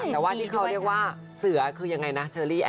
แต่ว่าที่เขาเรียกว่าเสือคือยังไงนะเชอรี่